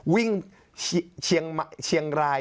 วิ่งเชียงราย